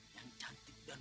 yang cantik dan